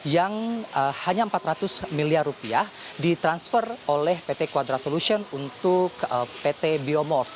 yang hanya rp empat ratus miliar ditransfer oleh pt quadra solution untuk pt biomorph